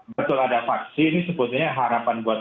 betul ada vaksin ini sebetulnya harapan buat